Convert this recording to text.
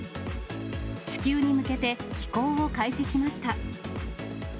地球に向けて飛行を開始しました。